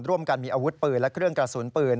ร่วมกันมีอาวุธปืนและเครื่องกระสุนปืน